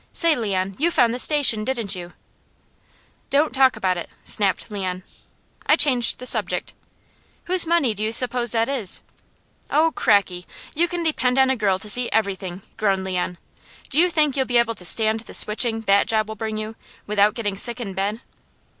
"Say Leon, you found the Station, didn't you?" "Don't talk about it!" snapped Leon. I changed the subject "Whose money do you suppose that is?" "Oh crackey! You can depend on a girl to see everything," groaned Leon. "Do you think you'll be able to stand the switching that job will bring you, without getting sick in bed?"